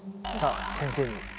さあ先生に。